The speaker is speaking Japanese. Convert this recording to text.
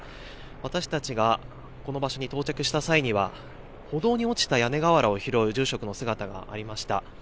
私たちがこの場所に到着した際には、歩道に落ちた屋根瓦を拾う住職の姿がありました。